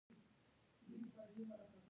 د باران د اوبو د تنظیم لپاره اقدامات کېږي.